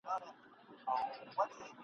ارغوان پر سرو لمنو د کابل درته لیکمه !.